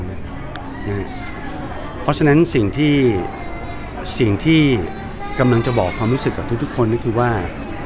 เพราะฉะนั้นสิ่งที่สิ่งที่กำลังจะบอกความรู้สึกกับทุกคนก็คือว่า